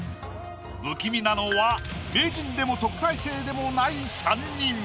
不気味なのは名人でも特待生でもない３人。